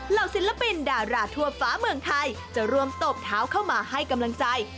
ศิลปินดาราทั่วฟ้าเมืองไทยจะรวมตบเท้าเข้ามาให้กำลังใจ